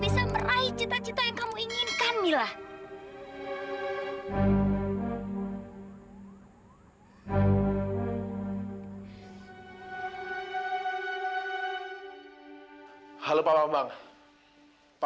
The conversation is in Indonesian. sampai jumpa di video selanjutnya